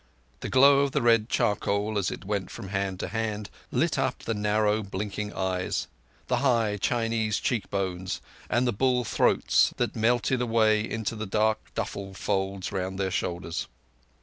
The glow of the red charcoal as it went from hand to hand lit up the narrow, blinking eyes, the high Chinese cheek bones, and the bull throats that melted away into the dark duffle folds round the shoulders.